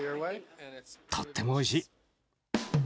とってもおいしい。